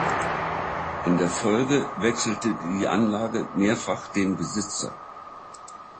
In der Folge wechselte die Anlage mehrfach den Besitzer.